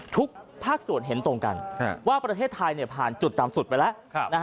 ทุกภาคส่วนเห็นตรงกันว่าประเทศไทยผ่านจุดต่ำสุดไปแล้ว